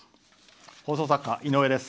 放送作家、井上です。